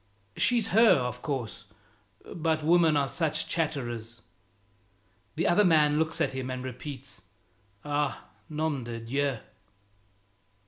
She's her, of course, but women are such chatterers!" The other man looks at him, and repeats, "Ah, nome de Dieu!"